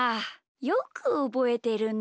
よくおぼえてるね！